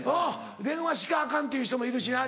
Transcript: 電話しかアカンっていう人もいるしな。